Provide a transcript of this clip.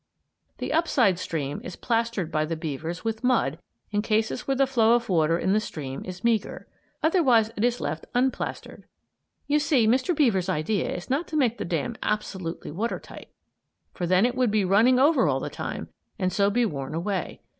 The upside stream is plastered by the beavers with mud in cases where the flow of water in the stream is meagre. Otherwise it is left unplastered. You see Mr. Beaver's idea is not to make the dam absolutely water tight, for then it would be running over all the time and so be worn away.